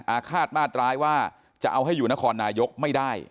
อาฆาตมาตร้ายว่าจะเอาให้อยู่นครนายกไม่ได้